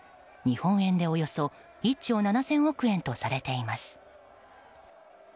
日本円でおよそ１兆７０００億円とされています。